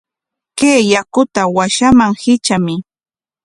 Kay yakuta washaman hitramuy.